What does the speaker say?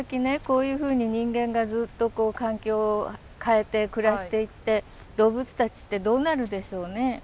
こういうふうに人間がずっとこう環境変えて暮らしていって動物たちってどうなるでしょうね？